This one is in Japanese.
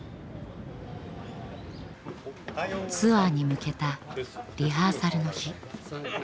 ツアーに向けたリハーサルの日。